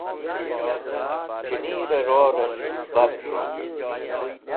c̃hinir ror'esh bat gon